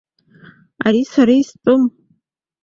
Ари сара истәым!